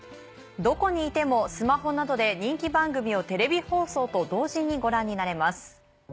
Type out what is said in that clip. どこにいてもスマホなどで人気番組をテレビ放送と同時にご覧になれます。